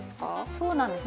そうなんです。